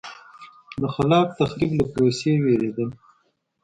د خلاق تخریب له پروسې وېرېدل.